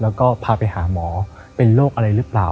แล้วก็พาไปหาหมอเป็นโรคอะไรหรือเปล่า